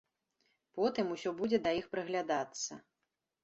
Потым усё будзе да іх прыглядацца.